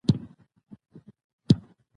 ژبې د افغانستان د بڼوالۍ برخه ده.